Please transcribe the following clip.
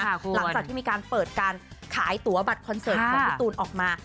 หลังจากที่มีการเปิดการขายตัวบัตรคอนเสิร์ตของพี่ตูนออกมา